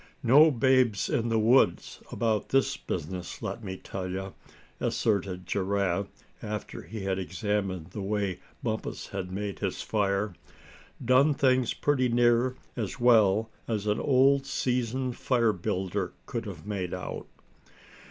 "No babes in the wood about this business, let me tell you." asserted Giraffe, after he had examined the way Bumpus had made his fire. "Done things pretty near as well as an old seasoned fire builder could have made out."